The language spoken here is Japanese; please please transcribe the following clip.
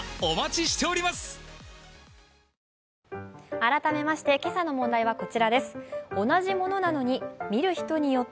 改めまして、今朝の問題はこちらです。